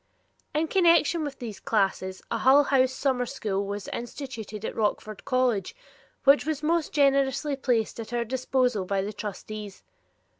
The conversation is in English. In connection with these classes a Hull House summer school was instituted at Rockford College, which was most generously placed at our disposal by the trustees.